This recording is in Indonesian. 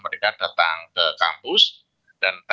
mereka telah melengkap kepada nama